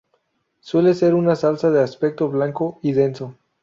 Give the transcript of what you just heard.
Suele ser una salsa de aspecto blanco y denso.